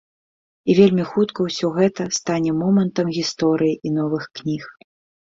І вельмі хутка ўсё гэта стане момантам гісторыі і новых кніг.